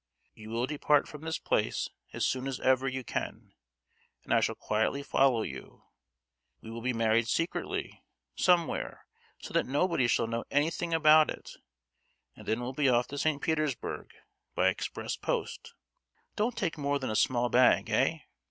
You will depart from this place as soon as ever you can, and I shall quietly follow you. We will be married secretly, somewhere, so that nobody shall know anything about it; and then we'll be off to St. Petersburg by express post—don't take more than a small bag—eh?